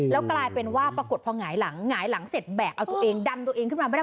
แล้วกลายเป็นว่าปรากฏพอหงายหลังหงายหลังเสร็จแบกเอาตัวเองดันตัวเองขึ้นมาไม่ได้